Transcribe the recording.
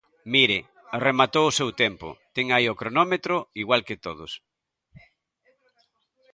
Mire: rematou o seu tempo; ten aí o cronómetro, igual que todos.